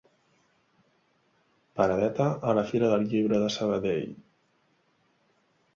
Paradeta a la Fira del Llibre de Sabadell.